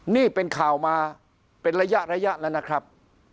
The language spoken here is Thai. นี่เป็นข่าวมาเป็นระยะแล้วนะครับ